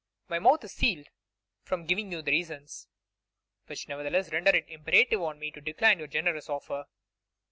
My mouth is sealed from giving you the reasons, which nevertheless render it imperative on me to decline your generous offer.